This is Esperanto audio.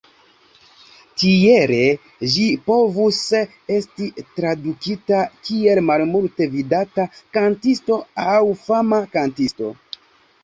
Tiele ĝi povus esti tradukita kiel "malmulte vidata kantisto" aŭ "fama kantisto".